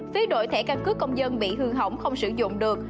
phía đổi thẻ căn cứ công dân bị hư hỏng không sử dụng được